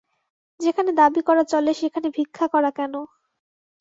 যেখানে দাবি করা চলে সেখানে ভিক্ষা করা কেন।